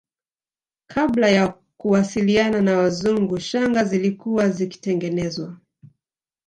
Kabla ya kuwasiliana na Wazungu shanga zilikuwa zikitengenezwa